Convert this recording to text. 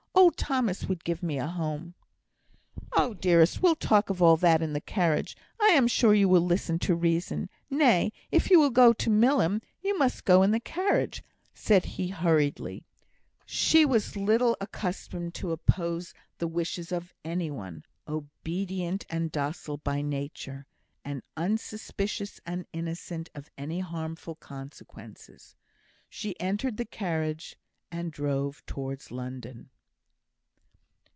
"Old Thomas would give me a home." "Well, dearest, we'll talk of all that in the carriage; I am sure you will listen to reason. Nay, if you will go to Milham you must go in the carriage," said he, hurriedly. She was little accustomed to oppose the wishes of any one obedient and docile by nature, and unsuspicious and innocent of any harmful consequences. She entered the carriage, and drove towards London.